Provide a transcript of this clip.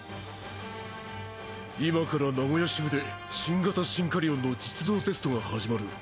今から名古屋支部で新型シンカリオンの実動テストが始まる。